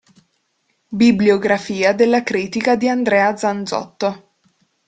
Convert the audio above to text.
Bibliografia della critica di Andrea Zanzotto